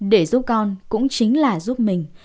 để giúp con cũng chính là giúp mình